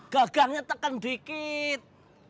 gagangnya tekan dikit